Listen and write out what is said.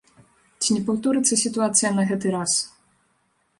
Ці не паўторыцца сітуацыя на гэты раз?